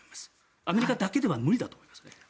アメリカだけでは無理だと思います。